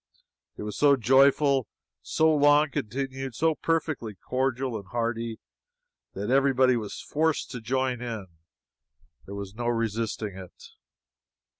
It was so joyful so long continued so perfectly cordial and hearty, that every body was forced to join in. There was no resisting it.